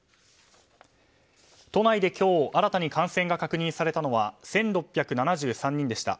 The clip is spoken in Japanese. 都内で今日新たに感染が確認されたのは１６７３人でした。